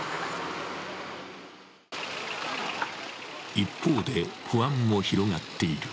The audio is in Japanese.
一方で、不安も広がっている。